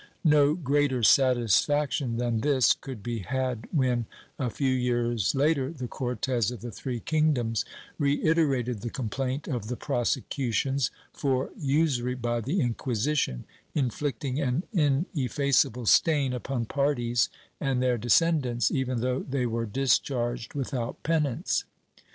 ^ No greater satisfaction than this could be had when, a few years later, the Cortes of the three kingdoms reiterated the complaint of the prosecutions for usury by the Inquisition, inflicting an ineffaceable stain upon parties and their descendants, even though they were discharged without penance.